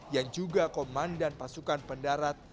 yang juga komandan pasukan pendarat